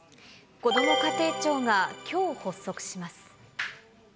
こども家庭庁がきょう発足します。